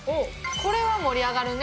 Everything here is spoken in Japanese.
これは盛り上がるね。